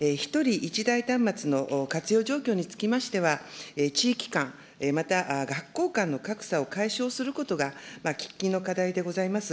１人１台端末の活用状況につきましては、地域間、また学校間の格差を解消することが喫緊の課題でございます。